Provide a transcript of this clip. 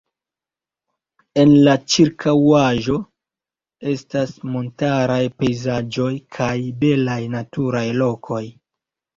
En la ĉirkaŭaĵo estas montaraj pejzaĝoj kaj belaj naturaj lokoj.